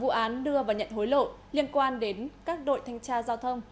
mở rộng vụ án đưa và nhận hối lộ liên quan đến các đội thanh tra giao thông